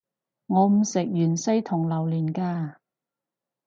我唔食芫茜同榴連架